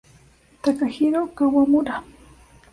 Takahiro Kawamura